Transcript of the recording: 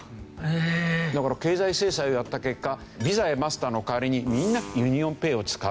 だから経済制裁をやった結果ビザやマスターの代わりにみんなユニオンペイを使う。